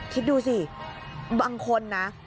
คิดดูสิบางคนนะ